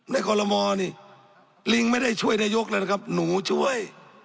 คอลโลมอนี่ลิงไม่ได้ช่วยนายกแล้วนะครับหนูช่วย